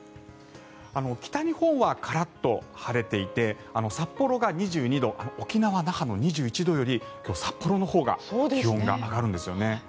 北日本はカラッと晴れていて札幌が２２度沖縄・那覇の２１度より今日、札幌のほうが気温が上がるんですよね。